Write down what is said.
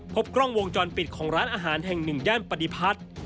พบกล้องวงจรปิดของร้านอาหารแห่งหนึ่งย่านปฏิพัฒน์